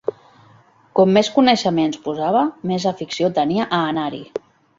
Com més coneixements posava, més afició tenia a anar-hi.